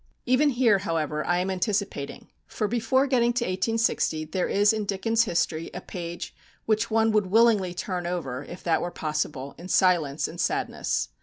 Even here, however, I am anticipating; for before getting to 1860 there is in Dickens' history a page which one would willingly turn over, if that were possible, in silence and sadness.